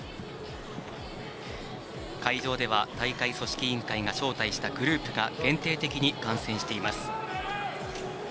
会場では大会組織委員会が招待したグループが限定的に観戦しています。